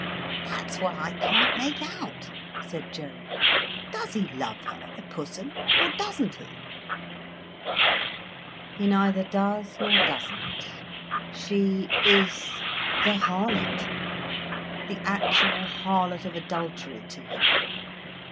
"That's what I can't make out," said Gerald. "Does he love her, the Pussum, or doesn't he?" "He neither does nor doesn't. She is the harlot, the actual harlot of adultery to him.